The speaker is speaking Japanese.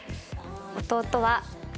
弟は。